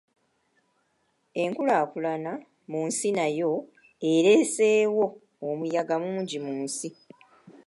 Enkulaakulana mu nsi nayo ereeseewo omuyaga mungi mu nsi